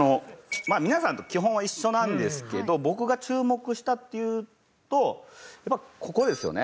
皆さんと基本は一緒なんですけど僕が注目したっていうとやっぱここですよね。